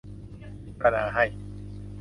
พิจารณาให้